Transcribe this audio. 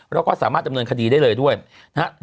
แล้วก็สามารถดำเนินคดีได้เลยด้วยนะครับ